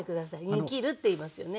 煮きるっていいますよね。